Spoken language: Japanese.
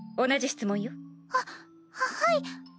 同じ質問よ。ははっはい。